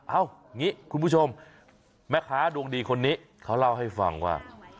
เอาอย่างนี้คุณผู้ชมแม่ค้าดวงดีคนนี้เขาเล่าให้ฟังว่า